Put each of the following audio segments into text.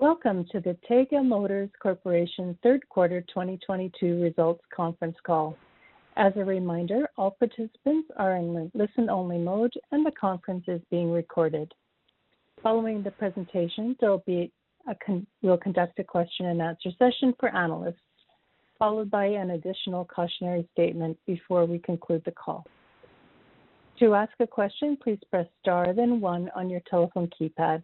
Welcome to the Taiga Motors Corporation third quarter 2022 results conference call. As a reminder, all participants are in listen-only mode, and the conference is being recorded. Following the presentation, we'll conduct a question-and-answer session for analysts, followed by an additional cautionary statement before we conclude the call. To ask a question, please press star then one on your telephone keypad.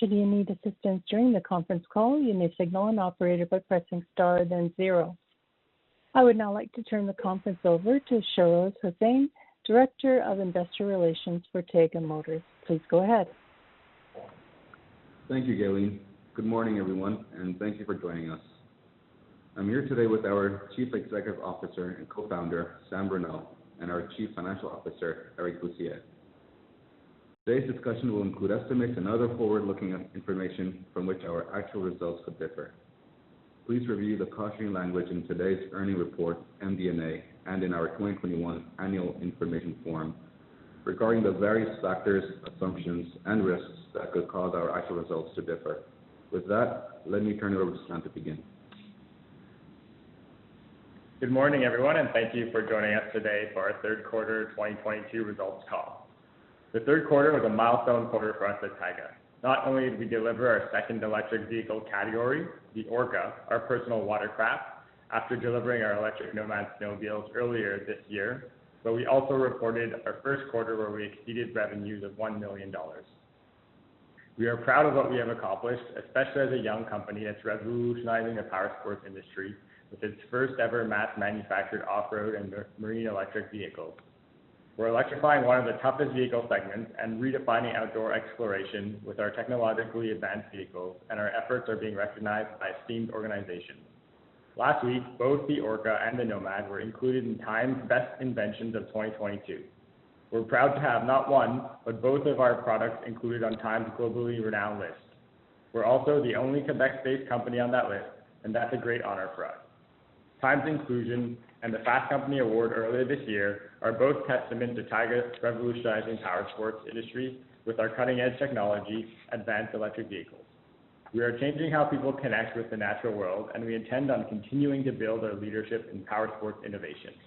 Should you need assistance during the conference call, you may signal an operator by pressing star then zero. I would now like to turn the conference over to Shahroz Hussain, Director of Investor Relations for Taiga Motors. Please go ahead. Thank you, Gaylene. Good morning, everyone, and thank you for joining us. I'm here today with our Chief Executive Officer and Co-Founder, Samuel Bruneau, and our Chief Financial Officer, Eric Bussières. Today's discussion will include estimates and other forward-looking information from which our actual results could differ. Please review the cautionary language in today's earnings report, MD&A, and in our 2021 Annual Information Form regarding the various factors, assumptions, and risks that could cause our actual results to differ. With that, let me turn it over to Samuel Bruneau to begin. Good morning, everyone, and thank you for joining us today for our third quarter 2022 results call. The third quarter was a milestone quarter for us at Taiga. Not only did we deliver our second electric vehicle category, the Orca, our personal watercraft, after delivering our electric Nomad snowmobiles earlier this year, but we also reported our first quarter where we exceeded revenues of 1 million dollars. We are proud of what we have accomplished, especially as a young company that's revolutionizing the powersports industry with its first ever mass manufactured off-road and marine electric vehicle. We're electrifying one of the toughest vehicle segments and redefining outdoor exploration with our technologically advanced vehicles, and our efforts are being recognized by esteemed organizations. Last week, both the Orca and the Nomad were included in TIME's Best Inventions of 2022. We're proud to have not one, but both of our products included on TIME's globally renowned list. We're also the only Quebec-based company on that list, and that's a great honor for us. TIME's inclusion and the Fast Company award earlier this year are both testament to Taiga's revolutionizing powersports industry with our cutting-edge technology advanced electric vehicles. We are changing how people connect with the natural world, and we intend on continuing to build our leadership in powersports innovations.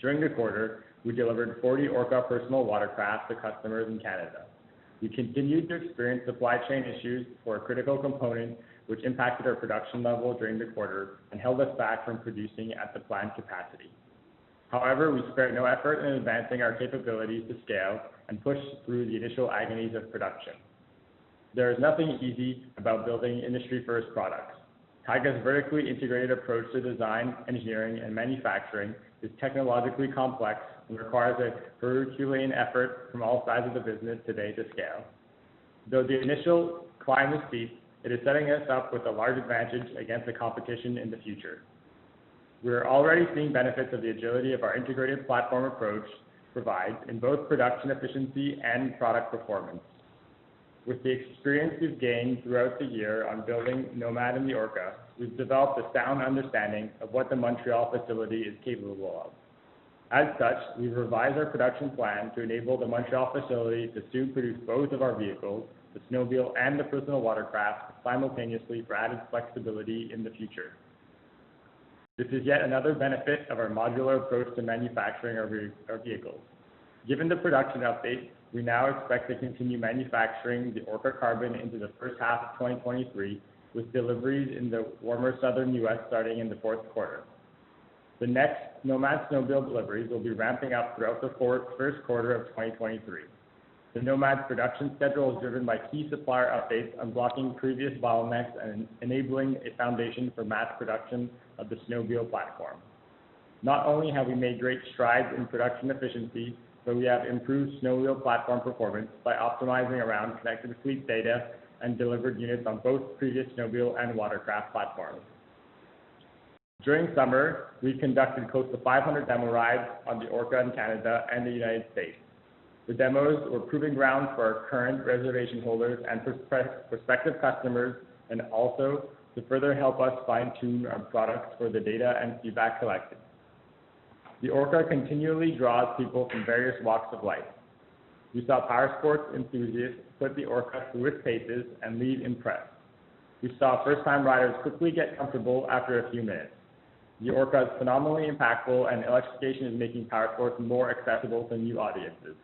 During the quarter, we delivered 40 Orca personal watercraft to customers in Canada. We continued to experience supply chain issues for a critical component, which impacted our production level during the quarter and held us back from producing at the planned capacity. However, we spared no effort in advancing our capabilities to scale and push through the initial agonies of production. There is nothing easy about building industry first products. Taiga's vertically integrated approach to design, engineering, and manufacturing is technologically complex and requires a herculean effort from all sides of the business today to scale. Though the initial climb is steep, it is setting us up with a large advantage against the competition in the future. We are already seeing benefits of the agility of our integrated platform approach provides in both production efficiency and product performance. With the experience we've gained throughout the year on building Nomad and the Orca, we've developed a sound understanding of what the Montreal facility is capable of. As such, we've revised our production plan to enable the Montreal facility to soon produce both of our vehicles, the snowmobile and the personal watercraft, simultaneously for added flexibility in the future. This is yet another benefit of our modular approach to manufacturing our vehicles. Given the production updates, we now expect to continue manufacturing the Orca Carbon into the first half of 2023, with deliveries in the warmer southern U.S. starting in the fourth quarter. The next Nomad snowmobile deliveries will be ramping up throughout the first quarter of 2023. The Nomad's production schedule is driven by key supplier updates, unblocking previous bottlenecks and enabling a foundation for mass production of the snowmobile platform. Not only have we made great strides in production efficiency, but we have improved snowmobile platform performance by optimizing around connected fleet data and delivered units on both previous snowmobile and watercraft platforms. During summer, we conducted close to 500 demo rides on the Orca in Canada and the United States. The demos were proving ground for our current reservation holders and prospective customers, and also to further help us fine-tune our products for the data and feedback collected. The Orca continually draws people from various walks of life. We saw powersports enthusiasts put the Orca through its paces and leave impressed. We saw first-time riders quickly get comfortable after a few minutes. The Orca is phenomenally impactful, and electrification is making powersports more accessible to new audiences.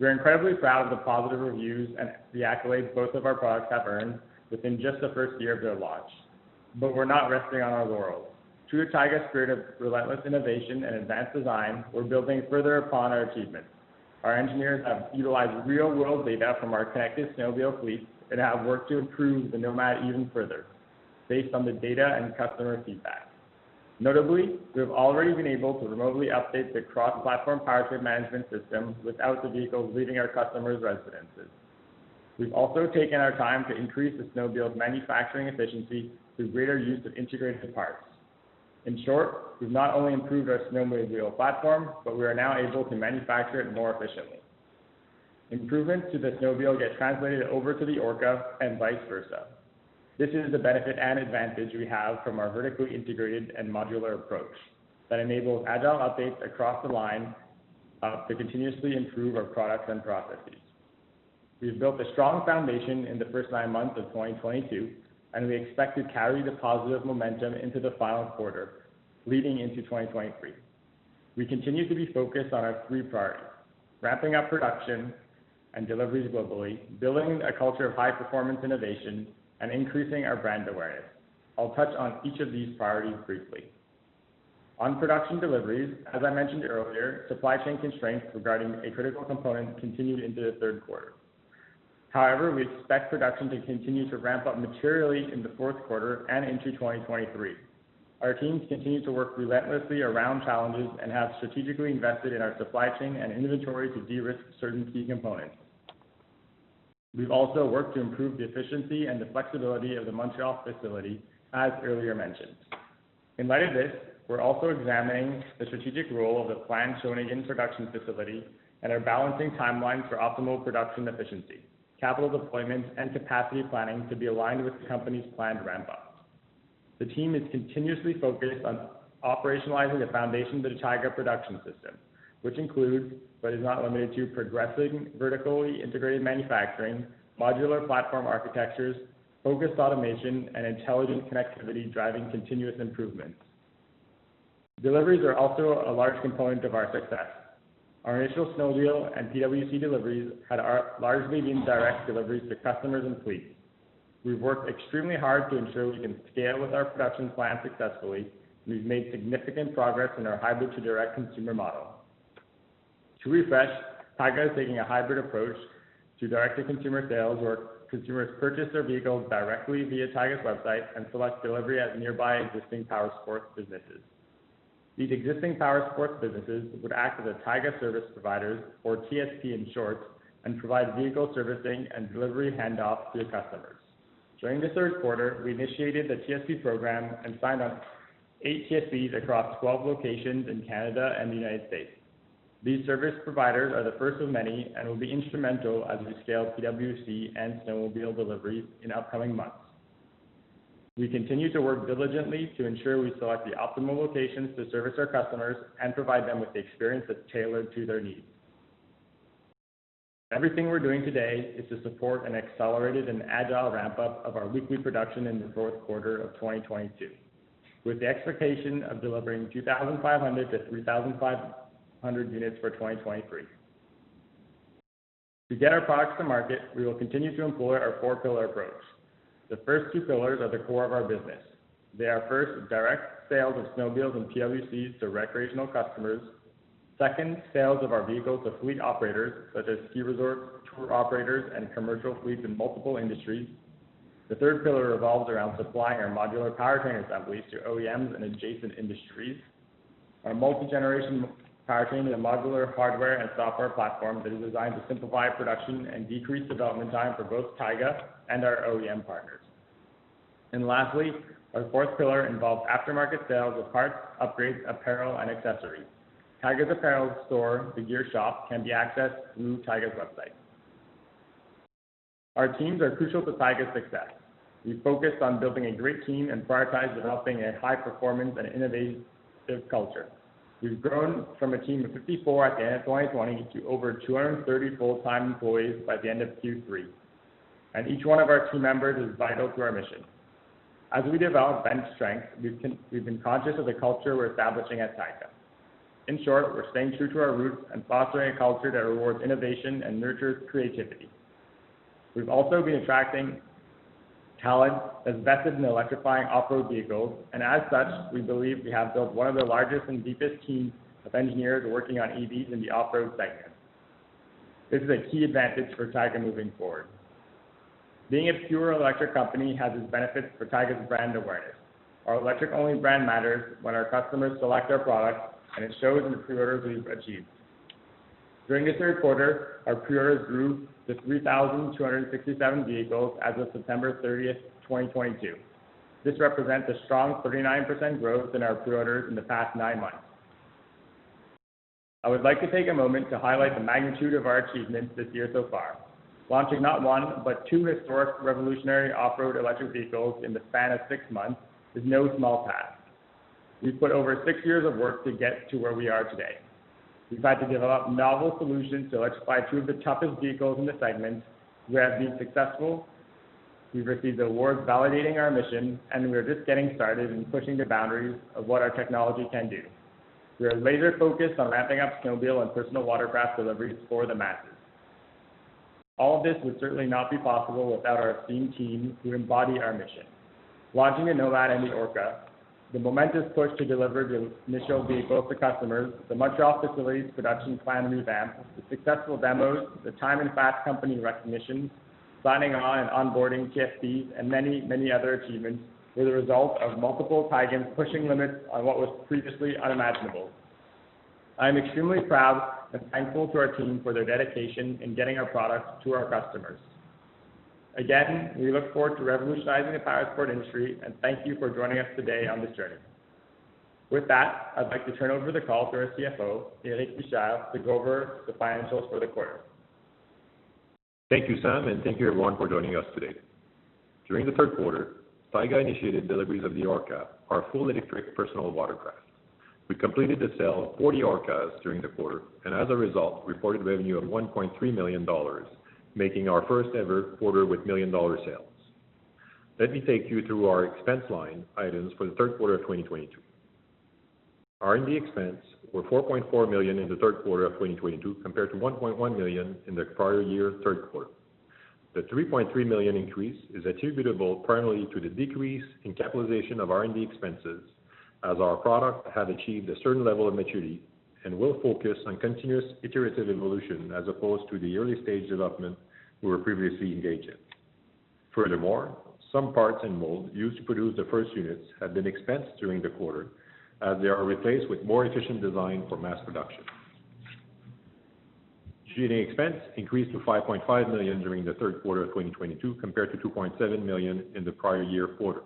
We're incredibly proud of the positive reviews and the accolades both of our products have earned within just the first year of their launch. We're not resting on our laurels. True to Taiga's spirit of relentless innovation and advanced design, we're building further upon our achievements. Our engineers have utilized real-world data from our connected snowmobile fleet and have worked to improve the Nomad even further based on the data and customer feedback. Notably, we have already been able to remotely update the cross-platform powertrain management system without the vehicles leaving our customers' residences. We've also taken our time to increase the snowmobile's manufacturing efficiency through greater use of integrated parts. In short, we've not only improved our snowmobile platform, but we are now able to manufacture it more efficiently. Improvements to the snowmobile get translated over to the Orca, and vice versa. This is the benefit and advantage we have from our vertically integrated and modular approach that enables agile updates across the line, to continuously improve our products and processes. We've built a strong foundation in the first nine months of 2022, and we expect to carry the positive momentum into the final quarter leading into 2023. We continue to be focused on our three priorities, ramping up production and deliveries globally, building a culture of high-performance innovation, and increasing our brand awareness. I'll touch on each of these priorities briefly. On production deliveries, as I mentioned earlier, supply chain constraints regarding a critical component continued into the third quarter. However, we expect production to continue to ramp up materially in the fourth quarter and into 2023. Our teams continue to work relentlessly around challenges and have strategically invested in our supply chain and inventory to de-risk certain key components. We've also worked to improve the efficiency and the flexibility of the Montreal facility as earlier mentioned. In light of this, we're also examining the strategic role of the planned Shawinigan production facility and are balancing timelines for optimal production efficiency, capital deployment, and capacity planning to be aligned with the company's planned ramp up. The team is continuously focused on operationalizing the foundation of the Taiga production system, which includes but is not limited to progressing vertically integrated manufacturing, modular platform architectures, focused automation, and intelligent connectivity driving continuous improvement. Deliveries are also a large component of our success. Our initial snowmobile and PWC deliveries had largely been direct deliveries to customers and fleets. We've worked extremely hard to ensure we can scale with our production plan successfully, and we've made significant progress in our hybrid to direct consumer model. To refresh, Taiga is taking a hybrid approach to direct-to-consumer sales, where consumers purchase their vehicles directly via Taiga's website and select delivery at nearby existing powersports businesses. These existing powersports businesses would act as a Taiga service provider, or TSP in short, and provide vehicle servicing and delivery hand off to the customers. During the third quarter, we initiated the TSP program and signed up eight TSPs across 12 locations in Canada and the United States. These service providers are the first of many and will be instrumental as we scale PWC and snowmobile deliveries in upcoming months. We continue to work diligently to ensure we select the optimal locations to service our customers and provide them with the experience that's tailored to their needs. Everything we're doing today is to support an accelerated and agile ramp-up of our weekly production in the fourth quarter of 2022, with the expectation of delivering 2,500-3,500 units for 2023. To get our products to market, we will continue to employ our four-pillar approach. The first two pillars are the core of our business. They are, first, direct sales of snowmobiles and PWCs to recreational customers. Second, sales of our vehicles to fleet operators such as ski resorts, tour operators, and commercial fleets in multiple industries. The third pillar revolves around supplying our modular powertrain assemblies to OEMs and adjacent industries. Our multi-generation powertrain is a modular hardware and software platform that is designed to simplify production and decrease development time for both Taiga and our OEM partners. Lastly, our fourth pillar involves aftermarket sales of parts, upgrades, apparel, and accessories. Taiga's apparel store, the Gear Shop, can be accessed through Taiga's website. Our teams are crucial to Taiga's success. We focused on building a great team and prioritize developing a high performance and innovative culture. We've grown from a team of 54 at the end of 2020 to over 230 full-time employees by the end of Q3, and each one of our team members is vital to our mission. As we develop bench strength, we've been conscious of the culture we're establishing at Taiga. In short, we're staying true to our roots and fostering a culture that rewards innovation and nurtures creativity. We've also been attracting talent that's vested in electrifying off-road vehicles, and as such, we believe we have built one of the largest and deepest teams of engineers working on EVs in the off-road segment. This is a key advantage for Taiga moving forward. Being a pure electric company has its benefits for Taiga's brand awareness. Our electric-only brand matters when our customers select our products, and it shows in the pre-orders we've achieved. During the third quarter, our pre-orders grew to 3,267 vehicles as of September 30, 2022. This represents a strong 39% growth in our pre-orders in the past nine months. I would like to take a moment to highlight the magnitude of our achievements this year so far. Launching not one but two historic revolutionary off-road electric vehicles in the span of six months is no small task. We've put over six years of work to get to where we are today. We've had to develop novel solutions to electrify two of the toughest vehicles in the segment. We have been successful. We've received awards validating our mission, and we are just getting started in pushing the boundaries of what our technology can do. We are laser-focused on ramping up snowmobile and personal watercraft deliveries for the masses. All this would certainly not be possible without our esteemed team who embody our mission. Launching the Nomad and the Orca, the momentous push to deliver the initial vehicles to customers, the Montreal facility's production plan revamp, the successful demos, the TIME and Fast Company recognitions, signing on and onboarding TSPs, and many, many other achievements were the result of multiple Taigans pushing limits on what was previously unimaginable. I am extremely proud and thankful to our team for their dedication in getting our products to our customers. Again, we look forward to revolutionizing the powersports industry, and thank you for joining us today on this journey. With that, I'd like to turn over the call to our CFO, Eric Bussières, to go over the financials for the quarter. Thank you, Sam, and thank you everyone for joining us today. During the third quarter, Taiga initiated deliveries of the Orca, our fully-electric personal watercraft. We completed the sale of 40 Orcas during the quarter, and as a result, reported revenue of 1.3 million dollars, making our first ever quarter with million-dollar sales. Let me take you through our expense line items for the third quarter of 2022. R&D expense were 4.4 million in the third quarter of 2022 compared to 1.1 million in the prior year third quarter. The 3.3 million increase is attributable primarily to the decrease in capitalization of R&D expenses as our product had achieved a certain level of maturity, and will focus on continuous iterative evolution as opposed to the early-stage development we were previously engaged in. Furthermore, some parts and mold used to produce the first units have been expensed during the quarter as they are replaced with more efficient design for mass production. G&A expense increased to 5.5 million during the third quarter of 2022 compared to 2.7 million in the prior year quarter.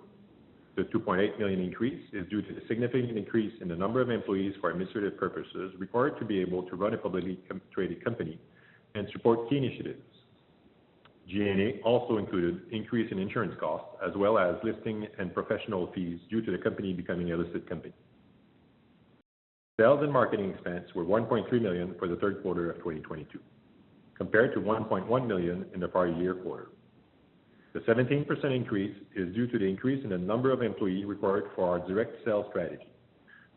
The 2.8 million increase is due to the significant increase in the number of employees for administrative purposes required to be able to run a publicly traded company and support key initiatives. G&A also included increase in insurance costs as well as listing and professional fees due to the company becoming a listed company. Sales and marketing expense were 1.3 million for the third quarter of 2022 compared to 1.1 million in the prior year quarter. The 17% increase is due to the increase in the number of employees required for our direct sales strategy.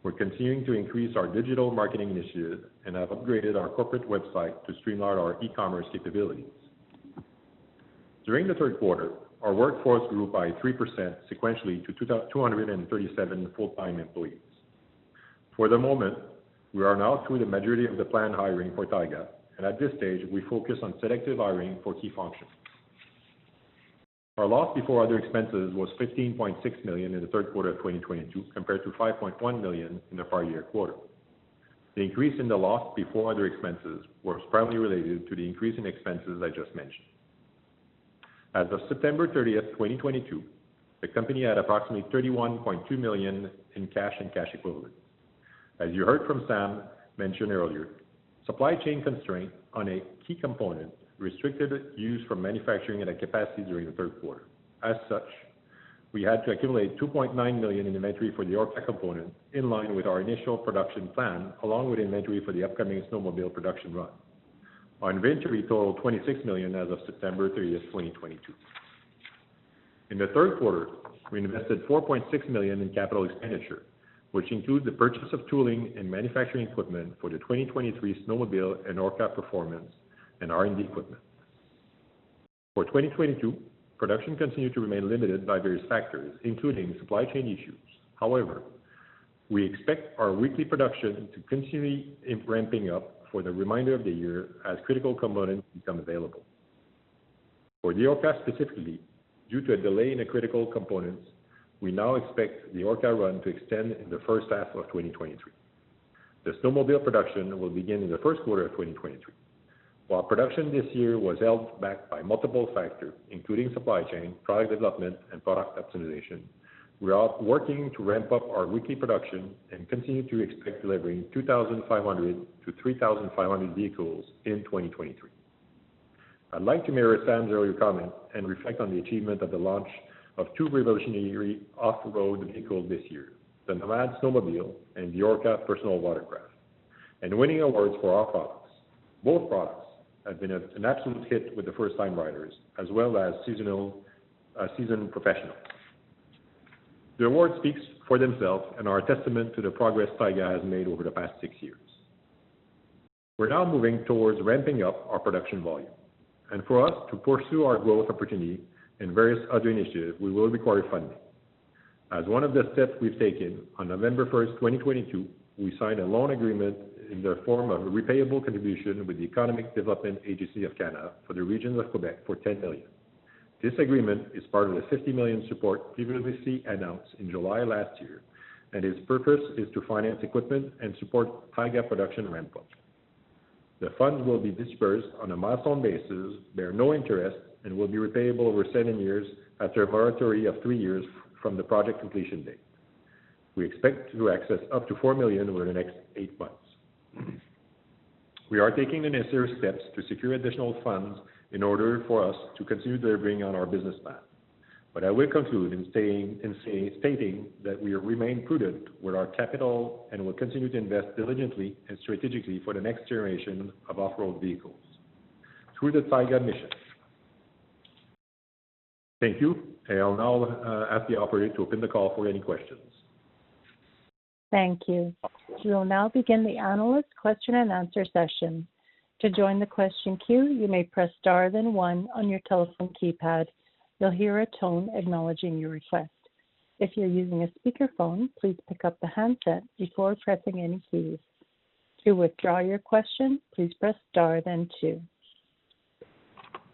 We're continuing to increase our digital marketing initiatives and have upgraded our corporate website to streamline our e-commerce capabilities. During the third quarter, our workforce grew by 3% sequentially to 2,237 full-time employees. For the moment, we are now through the majority of the planned hiring for Taiga, and at this stage we focus on selective hiring for key functions. Our loss before other expenses was 15.6 million in the third quarter of 2022 compared to 5.1 million in the prior year quarter. The increase in the loss before other expenses was primarily related to the increase in expenses I just mentioned. As of September 30, 2022, the company had approximately 31.2 million in cash and cash equivalents. As you heard from Sam mention earlier, supply chain constraint on a key component restricted use from manufacturing at a capacity during the third quarter. As such, we had to accumulate 2.9 million in inventory for the Orca component in line with our initial production plan, along with inventory for the upcoming snowmobile production run. Our inventory totaled 26 million as of September 30, 2022. In the third quarter, we invested 4.6 million in capital expenditure, which include the purchase of tooling and manufacturing equipment for the 2023 snowmobile and Orca performance and R&D equipment. For 2022, production continued to remain limited by various factors, including supply chain issues. However, we expect our weekly production to continue in ramping up for the remainder of the year as critical components become available. For the Orca specifically, due to a delay in the critical components, we now expect the Orca run to extend in the first half of 2023. The snowmobile production will begin in the first quarter of 2023. While production this year was held back by multiple factors, including supply chain, product development, and product optimization, we are working to ramp up our weekly production and continue to expect delivering 2,500 to 3,500 vehicles in 2023. I'd like to mirror Sam's earlier comments and reflect on the achievement of the launch of two revolutionary off-road vehicles this year, the Nomad snowmobile and the Orca personal watercraft, and winning awards for our products. Both products have been an absolute hit with the first-time riders as well as seasonal, seasoned professionals. The awards speaks for themselves and are a testament to the progress Taiga has made over the past six years. We're now moving towards ramping up our production volume, and for us to pursue our growth opportunity and various other initiatives, we will require funding. As one of the steps we've taken, on November 1, 2022, we signed a loan agreement in the form of a repayable contribution with the Economic Development Agency of Canada for the Regions of Quebec for 10 million. This agreement is part of the 50 million support previously announced in July last year, and its purpose is to finance equipment and support Taiga production ramp-up. The funds will be dispersed on a milestone basis, bear no interest, and will be repayable over seven years after a moratorium of three years from the project completion date. We expect to access up to 4 million over the next eight months. We are taking the necessary steps to secure additional funds in order for us to continue delivering on our business plan. I will conclude in stating that we remain prudent with our capital and will continue to invest diligently and strategically for the next generation of off-road vehicles through the Taiga mission. Thank you. I'll now ask the operator to open the call for any questions. Thank you. We will now begin the analyst question and answer session. To join the question queue, you may press star then one on your telephone keypad. You'll hear a tone acknowledging your request. If you're using a speakerphone, please pick up the handset before pressing any keys. To withdraw your question, please press star then two.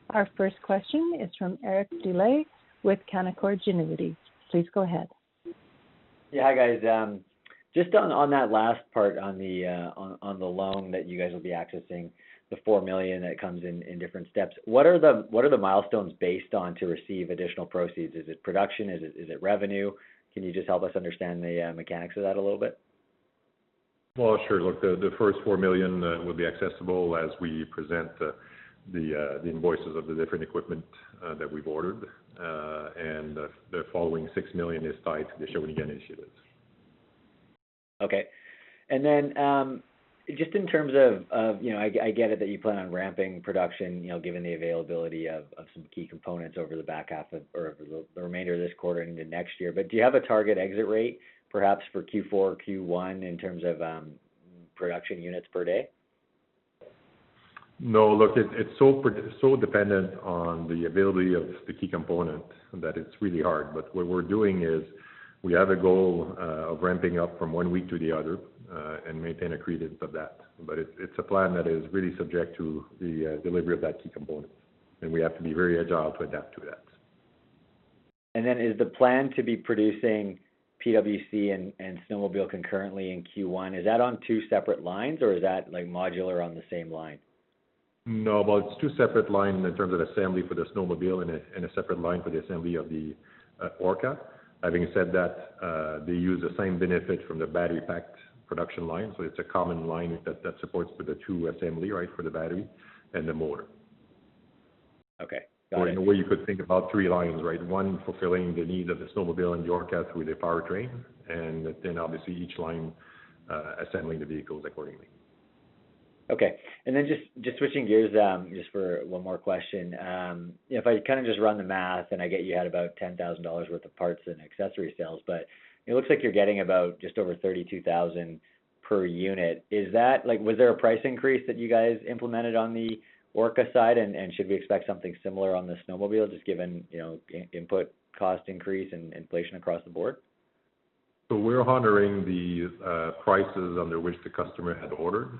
Our first question is from Derek Dley with Canaccord Genuity. Please go ahead. Yeah. Hi, guys. Just on that last part on the loan that you guys will be accessing, 4 million that comes in in different steps. What are the milestones based on to receive additional proceeds? Is it production? Is it revenue? Can you just help us understand the mechanics of that a little bit? Well, sure. Look, the first 4 million will be accessible as we present the invoices of the different equipment that we've ordered. The following 6 million is tied to the Shawinigan initiatives. Okay. Just in terms of you know, I get it that you plan on ramping production, you know, given the availability of some key components over the remainder of this quarter into next year. Do you have a target exit rate perhaps for Q4 or Q1 in terms of production units per day? No. Look, it's so dependent on the availability of the key component that it's really hard. What we're doing is we have a goal of ramping up from one week to the next and maintain a cadence of that. It's a plan that is really subject to the delivery of that key component, and we have to be very agile to adapt to that. Is the plan to be producing PWC and snowmobile concurrently in Q1? Is that on two separate lines or is that like modular on the same line? No. Well, it's two separate lines in terms of assembly for the snowmobile and a separate line for the assembly of the Orca. Having said that, they use the same benefit from the battery pack production line, so it's a common line that supports for the two assembly, right, for the battery and the motor. Okay. Got it. In a way you could think about three lines, right? One fulfilling the needs of the snowmobile and the Orca with a powertrain, and then obviously each line, assembling the vehicles accordingly. Okay. Then just switching gears, just for one more question. If I kind of just run the math and I get you had about 10,000 dollars worth of parts and accessory sales, but it looks like you're getting about just over 32,000 per unit. Is that like, was there a price increase that you guys implemented on the Orca side? And should we expect something similar on the snowmobile just given, you know, input cost increase and inflation across the board? We're honoring the prices under which the customer had ordered.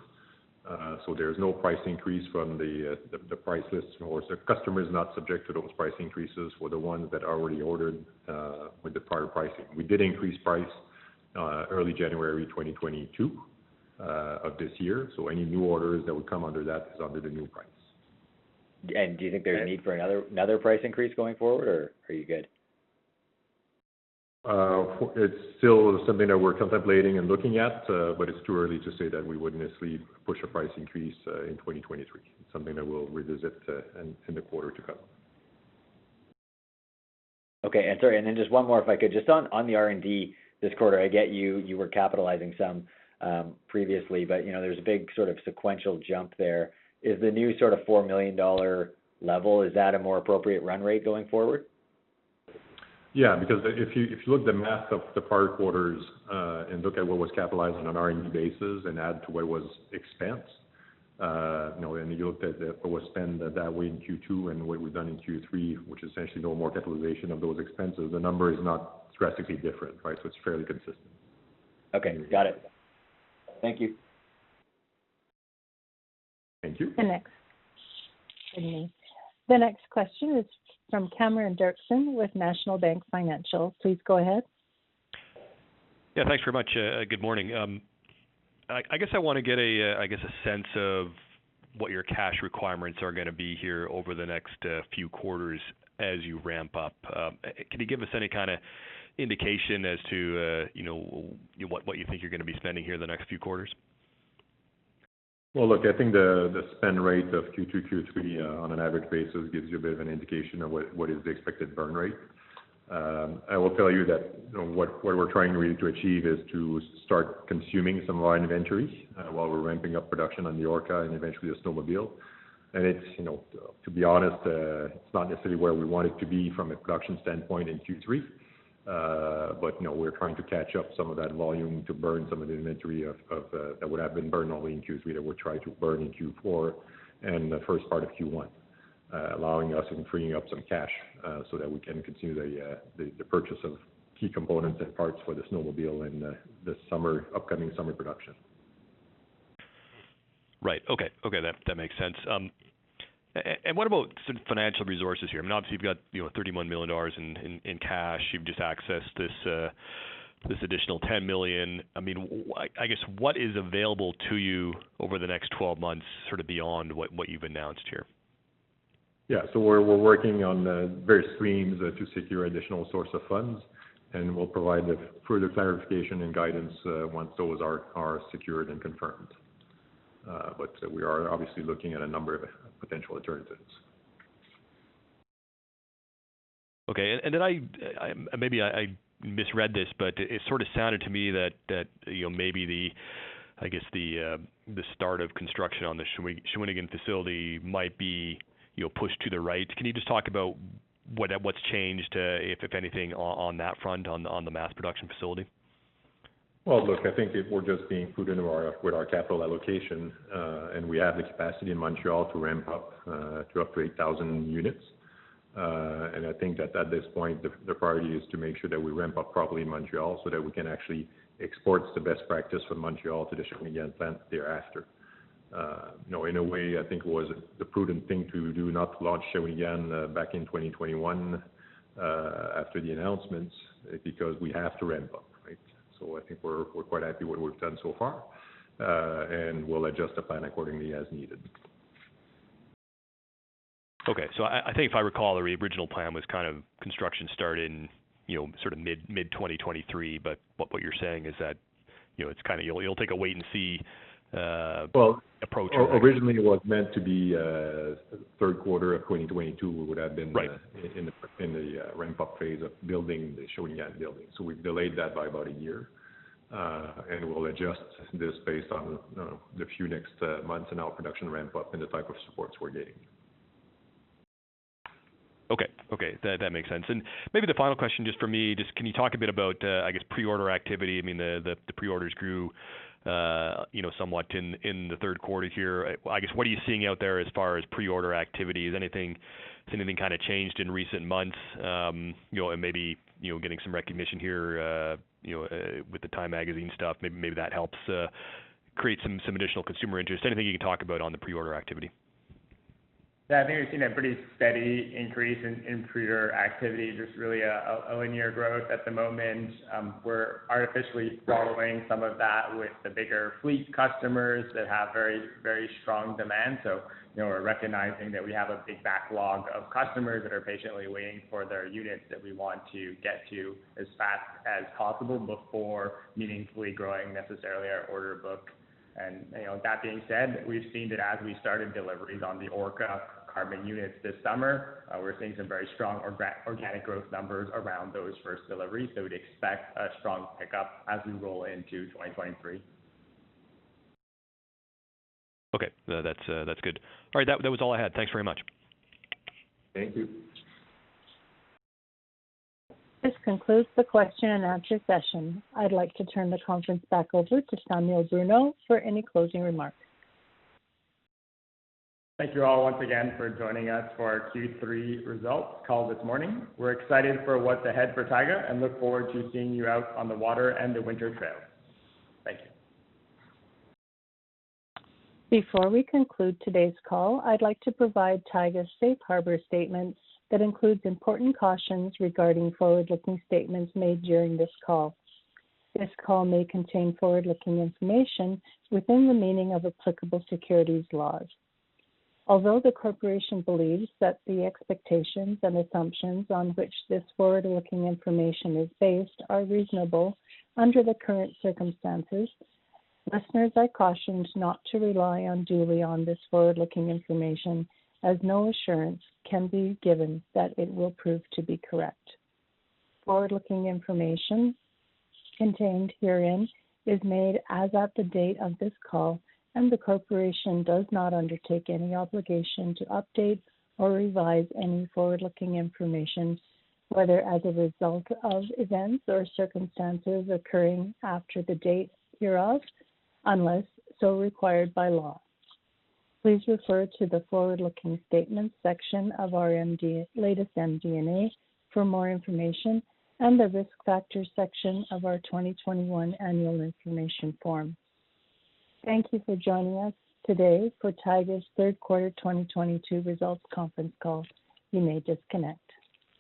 There's no price increase from the price list or the customer is not subject to those price increases for the ones that already ordered with the prior pricing. We did increase price early January 2022 of this year. Any new orders that would come under that is under the new price. Do you think there's need for another price increase going forward or are you good? It's still something that we're contemplating and looking at, but it's too early to say that we would necessarily push a price increase in 2023. It's something that we'll revisit in the quarter to come. Okay. Sorry, then just one more if I could. Just on the R&D this quarter, I get you were capitalizing some previously, but you know, there's a big sort of sequential jump there. Is the new sort of 4 million dollar level, is that a more appropriate run rate going forward? Yeah, because if you look at the math of the prior quarters, and look at what was capitalized on an R&D basis and add to what was expensed, you know, and you look at what was spent that way in Q2 and the way we've done in Q3, which is essentially no more capitalization of those expenses, the number is not drastically different, right? It's fairly consistent. Okay. Got it. Thank you. Thank you. The next question is from Cameron Doerksen with National Bank Financial. Please go ahead. Yeah, thanks very much. Good morning. I guess I wanna get a sense of what your cash requirements are gonna be here over the next few quarters as you ramp up. Can you give us any kinda indication as to, you know, what you think you're gonna be spending here in the next few quarters? Well, look, I think the spend rate of Q2, Q3, on an average basis gives you a bit of an indication of what is the expected burn rate. I will tell you that what we're trying really to achieve is to start consuming some of our inventory, while we're ramping up production on the Orca and eventually the snowmobile. It's, you know, to be honest, it's not necessarily where we want it to be from a production standpoint in Q3, but, you know, we're trying to catch up some of that volume to burn some of the inventory of that would have been burned only in Q3 that we'll try to burn in Q4 and the first part of Q1, allowing us and freeing up some cash, so that we can continue the purchase of key components and parts for the snowmobile in the upcoming summer production. Right. Okay, that makes sense. What about some financial resources here? I mean, obviously you've got, you know, 31 million dollars in cash. You've just accessed this additional 10 million. I mean, I guess what is available to you over the next 12 months, sort of beyond what you've announced here? Yeah. We're working on various streams to secure additional source of funds, and we'll provide the further clarification and guidance once those are secured and confirmed. We are obviously looking at a number of potential alternatives. Okay. Maybe I misread this, but it sort of sounded to me that you know, maybe I guess the start of construction on the Shawinigan facility might be you know, pushed to the right. Can you just talk about what's changed, if anything, on that front on the mass production facility? Well, look, I think if we're just being prudent with our capital allocation, and we have the capacity in Montreal to ramp up to up to 8,000 units. I think that at this point, the priority is to make sure that we ramp up properly in Montreal so that we can actually export the best practice from Montreal to the Shawinigan plant thereafter. You know, in a way, I think it was the prudent thing to do, not launch Shawinigan back in 2021 after the announcements, because we have to ramp up, right? I think we're quite happy what we've done so far, and we'll adjust the plan accordingly as needed. Okay. I think if I recall, the original plan was kind of construction start in, you know, sort of mid-2023, but what you're saying is that, you know, it's kinda, you'll take a wait and see- Well- ... approach here.... originally, it was meant to be third quarter of 2022, we would have been- Right.... in the ramp-up phase of building the Shawinigan building. We've delayed that by about a year, and we'll adjust this based on the next few months in our production ramp up and the type of supports we're getting. Okay. That makes sense. Maybe the final question just for me, just can you talk a bit about, I guess, pre-order activity? I mean, the pre-orders grew, you know, somewhat in the third quarter here. I guess, what are you seeing out there as far as pre-order activity? Has anything kind of changed in recent months, you know, and maybe, you know, getting some recognition here, you know, with the TIME magazine stuff, maybe that helps create some additional consumer interest. Anything you can talk about on the pre-order activity? Yeah, I think we've seen a pretty steady increase in pre-order activity, just really a linear growth at the moment. We're artificially throttling some of that with the bigger fleet customers that have very, very strong demand. You know, we're recognizing that we have a big backlog of customers that are patiently waiting for their units that we want to get to as fast as possible before meaningfully growing necessarily our order book. You know, that being said, we've seen that as we started deliveries on the Orca Carbon units this summer, we're seeing some very strong organic growth numbers around those first deliveries, so we'd expect a strong pickup as we roll into 2023. Okay. No, that's good. All right. That was all I had. Thanks very much. Thank you. This concludes the question-and-answer session. I'd like to turn the conference back over to Samuel Bruneau for any closing remarks. Thank you all once again for joining us for our Q3 results call this morning. We're excited for what's ahead for Taiga and look forward to seeing you out on the water and the winter trail. Thank you. Before we conclude today's call, I'd like to provide Taiga's Safe Harbor statements that includes important cautions regarding forward-looking statements made during this call. This call may contain forward-looking information within the meaning of applicable securities laws. Although the corporation believes that the expectations and assumptions on which this forward-looking information is based are reasonable under the current circumstances, listeners are cautioned not to rely unduly on this forward-looking information, as no assurance can be given that it will prove to be correct. Forward-looking information contained herein is made as at the date of this call, and the corporation does not undertake any obligation to update or revise any forward-looking information, whether as a result of events or circumstances occurring after the date hereof unless so required by law. Please refer to the forward-looking statements section of our latest MD&A for more information and the Risk Factors section of our 2021 Annual Information Form. Thank you for joining us today for Taiga's third quarter 2022 results conference call. You may disconnect.